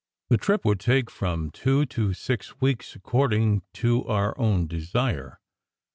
The trip would take from two to six weeks, according to our own desire.